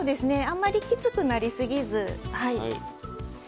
あまりきつくなりすぎず。